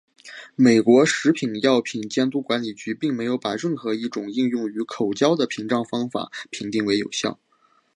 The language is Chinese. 美国食品药品监督管理局并没有把任何一种应用于口交的屏障方法评定为有效。